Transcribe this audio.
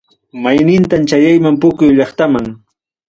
Maynintam chayayman, puquio llaqtallayman.